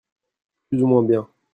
Plus ou moins bien.